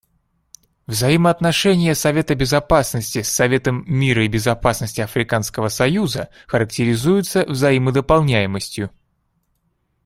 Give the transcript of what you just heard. Взаимоотношения Совета Безопасности с Советом мира и безопасности Африканского союза характеризуются взаимодополняемостью.